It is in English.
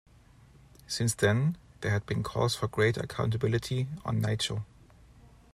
Since then, there had been calls for greater accountability on Naicho.